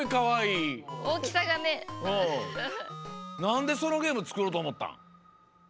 なんでそのゲームつくろうとおもったん？